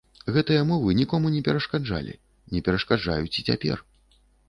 Гэтыя мовы нікому не перашкаджалі, не перашкаджаюць і цяпер.